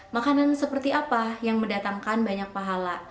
makanan seperti apa yang mendatangkan banyak pahala